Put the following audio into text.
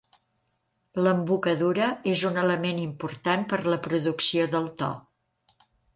L'embocadura és un element important per la producció del to.